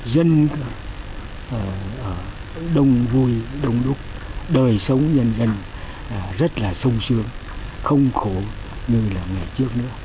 dân đông vui đông đúc đời sống nhân dân rất là sâu sướng không khổ như ngày trước nữa